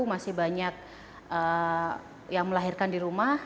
masih banyak yang melahirkan di rumah